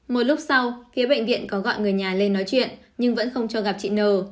một lúc sau phía bệnh viện có gọi người nhà lên nói chuyện nhưng vẫn không cho gặp chị nờ